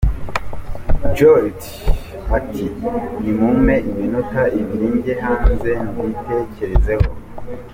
Joriji ati "nimumpe iminota ibiri njye hanze mbitekerezeho".